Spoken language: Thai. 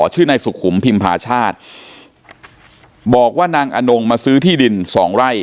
ชื่อนายสุขุมพิมพาชาติบอกว่านางอนงมาซื้อที่ดินสองไร่